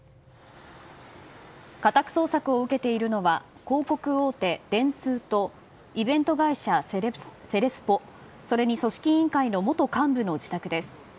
家宅捜索を受けているのは広告大手、電通とイベント会社セレスポそれに組織委員会の元幹部の自宅です。